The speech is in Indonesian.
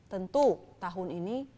tentu tahun ini